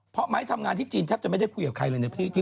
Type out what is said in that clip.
เพราะไม้ทำงานที่จีนแทบจะไม่ได้คุยกับใครเลยนะพี่